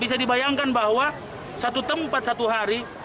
sedangkan bahwa satu tempat satu hari